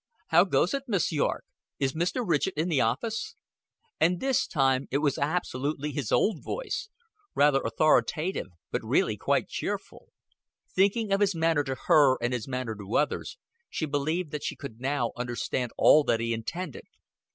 "How goes it, Miss Yorke? Is Mr. Ridgett in the office?" And this time it was absolutely his old voice rather loud, rather authoritative, but really quite cheerful. Thinking of his manner to her and his manner to others, she believed that she could now understand all that he intended.